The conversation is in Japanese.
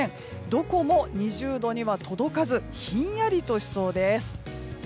どこも２０度には届かずひんやりとしそうです。